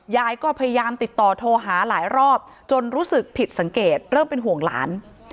ยายก็พยายามติดต่อโทรหาหลายรอบจนรู้สึกผิดสังเกตเริ่มเป็นห่วงหลาน